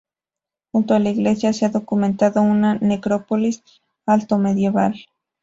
Junto a la iglesia se ha documentado una necrópolis altomedieval.